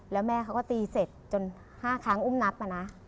แล้วแม่เขาก็ตีเสร็จจน๕ครั้งอุ้มนับมานะ